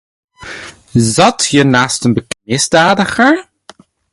Zat je naast een bekende misdadiger?